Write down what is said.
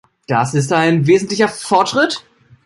Das ist ein wesentlicher Fortschritt!